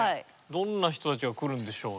どんな人たちが来るんでしょうね。